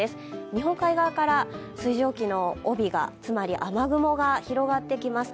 日本海側から水蒸気の帯が、つまり雨雲が広がってきます。